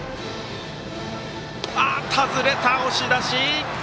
外れた、押し出し！